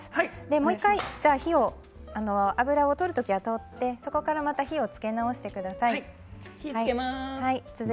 もう１回脂を取る時は取ってまたそこから火をつけ直してください。